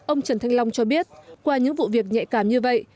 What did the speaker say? ông trần thanh long cho biết qua những vụ việc nhạy cảm như vậy